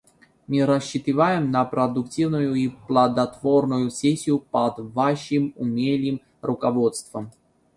Мы рассчитываем на продуктивную и плодотворную сессию под Вашим умелым руководством.